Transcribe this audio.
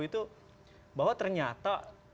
itu bahwa ternyata